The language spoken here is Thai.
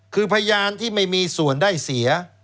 คือพยานที่ไม่มีส่วนได้เสีย